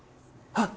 あっ！